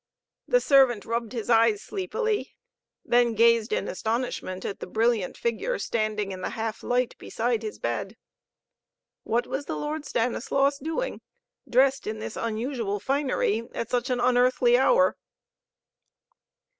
The servant rubbed his eyes sleepily, then gazed in astonishment at the brilliant figure standing in the half light beside his bed. What was the Lord Stanislaus doing, dressed in this unusual finery, at such an unearthly hour!